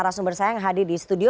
kita langsung bersayang hadir di studio